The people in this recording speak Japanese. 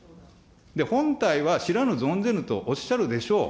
で、本体は知らぬ存ぜぬとおっしゃるでしょう。